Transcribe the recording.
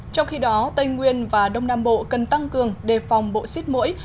trong khi đó tây nguyên và đông nam bộ cần tăng cường đề phòng bộ xít mũi